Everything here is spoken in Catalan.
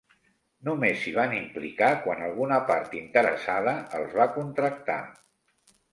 Només s'hi van implicar quan alguna part interessada els va contractar.